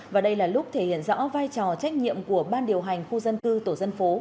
và đây là lúc thể hiện rõ vai trò trách nhiệm của ban điều hành khu dân cư tổ dân phố